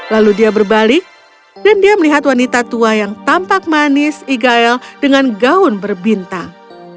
lalu dia berbalik dan dia melihat wanita tua yang tampak manis igael dengan gaun berbintang